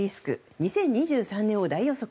２０２３年を大予測。